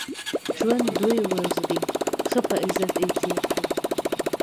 ژوند دوې ورځي دئ؛ ښه په عزت ئې تېر کئ!